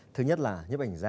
thứ nhất là nhếp ảnh da